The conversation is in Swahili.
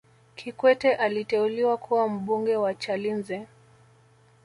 kikwete aliteuliwa kuwa mbunge wa chalinze